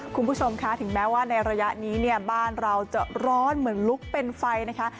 คุณผู้ชมคะถึงแม้ว่าในระยะนี้เนี่ยบ้านเราจะร้อนเหมือนลุกเป็นไฟนะคะ